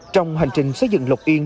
trong hành trình xây dựng lộc yên